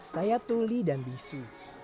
saya tuli dan bisu